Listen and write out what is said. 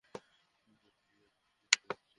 তুই কেন অযথা নিজেকে কষ্ট দিচ্ছিস?